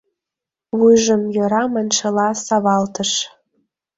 Вуйжым «йӧра!» маншыла савалтыш.